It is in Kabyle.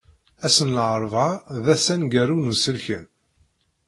Ass n larebεa d ass aneggaru n uselken.